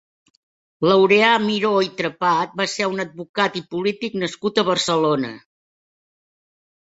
Laureà Miró i Trepat va ser un advocat i polític nascut a Barcelona.